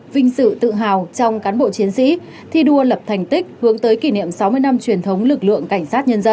vinh sự tự hào trong cán bộ chiến sĩ thi đua lập thành tích hướng tới kỷ niệm sáu mươi năm truyền thống lực lượng cảnh sát nhân dân